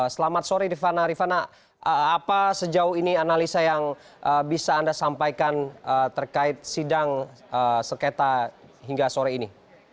selamat sore rifana rifana apa sejauh ini analisa yang bisa anda sampaikan terkait sidang sengketa hingga sore ini